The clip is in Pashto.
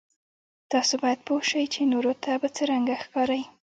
تاسو باید پوه شئ چې نورو ته به څرنګه ښکارئ.